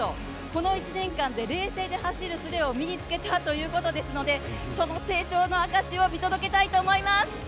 この１年間で、冷静に走るプレーを身につけたということですのでその成長の証しを見届けたいと思います。